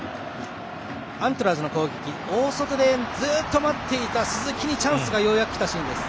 アントラーズの攻撃、大外でずっと待っていた鈴木にチャンスがようやくきたシーンです。